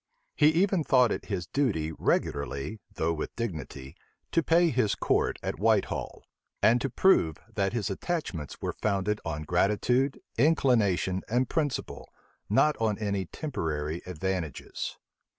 He even thought it his duty regularly, though with dignity, to pay his court at Whitehall; and to prove, that his attachments were founded on gratitude, inclination, and principle, not on any temporary advantages.